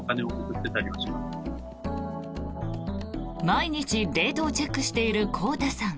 毎日レートをチェックしているこうたさん。